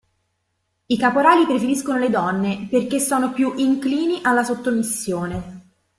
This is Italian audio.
I caporali preferiscono le donne perché sono più "inclini" alla sottomissione.